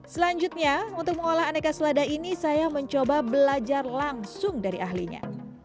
selanjutnya untuk mengolah aneka selada ini saya mencoba belajar langsung dari ahlinya